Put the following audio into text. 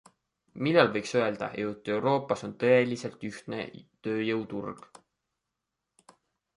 Millal võiks öelda, et Euroopas on tõeliselt ühtne tööjõuturg?